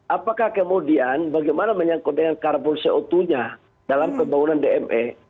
apakah kemudian bagaimana menyangkut dengan karbon co dua nya dalam pembangunan dme